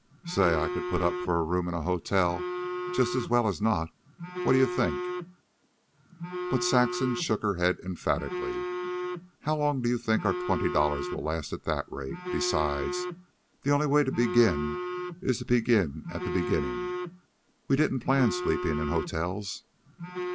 "Say... I could put up for a room in the hotel just as well as not. What d 'ye think?" But Saxon shook her head emphatically. "How long do you think our twenty dollars will last at that rate? Besides, the only way to begin is to begin at the beginning. We didn't plan sleeping in hotels."